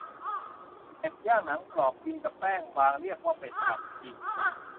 เป็ดย่างหนังกรอบ กินกับแป้งบาง เรียกว่าเป็ดปักกิ่ง